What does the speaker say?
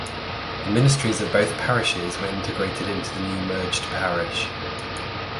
The ministries of both parishes were integrated into the new merged parish.